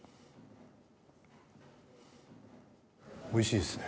おいしいですね。